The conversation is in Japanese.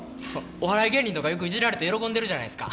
お笑い芸人とかよくイジられて喜んでるじゃないっすか。